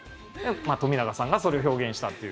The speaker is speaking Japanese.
冨永さんがそれを表現したという。